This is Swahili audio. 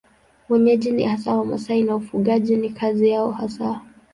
Wenyeji ni hasa Wamasai na ufugaji ni kazi yao hasa.